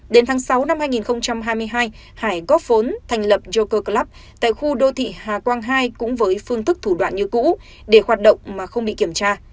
đến tháng sáu năm hai nghìn hai mươi hai hải góp vốn thành lập joker club tại khu đô thị hà quang hai cũng với phương thức thủ đoạn như cũ để hoạt động mà không bị kiểm tra